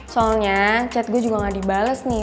soalnya chat gue juga gak dibales nih